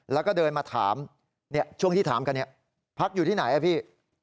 แล้วก็เดินมาถามช่วงที่ถามกันเนี่ยพักอยู่ที่ไหนอ่ะพี่